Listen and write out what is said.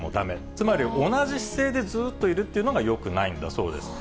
つまり同じ姿勢でずっといるというのがよくないんだそうです。